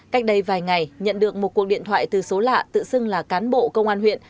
cách đây vài ngày nhận được một cuộc điện thoại từ số lạ tự xưng là cán bộ công an huyện